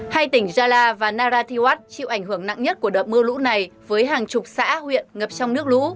hai tỉnh gia lai và narathiwat chịu ảnh hưởng nặng nhất của đợt mưa lũ này với hàng chục xã huyện ngập trong nước lũ